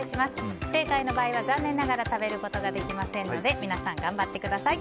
不正解の場合は残念ながら食べることができませんので皆さん頑張ってください。